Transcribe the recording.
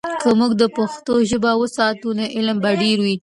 که موږ د پښتو ژبه وساتو، نو علم به ډیر وي.